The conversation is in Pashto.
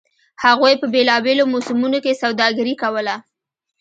هغوی په بېلابېلو موسمونو کې سوداګري کوله